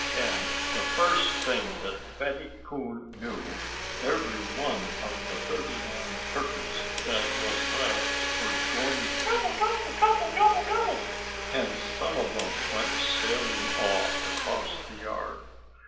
And the first thing that Fatty Coon knew, every one of the thirty nine turkeys that were left was going gobble gob gob gob gobble! And some of them went sailing off across the yard.